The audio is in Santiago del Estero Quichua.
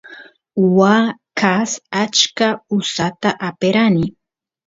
waa kaas achka usata aperani